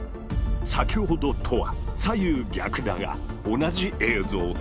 先ほどとは左右逆だが同じ映像だ。